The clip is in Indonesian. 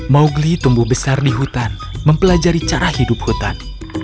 mowgli tumbuh besar di hutan mempelajari cara hidup hutan